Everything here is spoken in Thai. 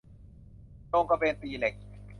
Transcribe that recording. โจงกระเบนตีเหล็ก